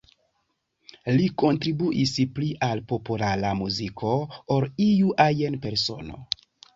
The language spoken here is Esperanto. Li kontribuis pli al populara muziko ol iu ajn persono.